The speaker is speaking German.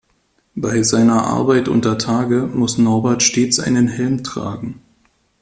Bei seiner Arbeit untertage muss Norbert stets einen Helm tragen.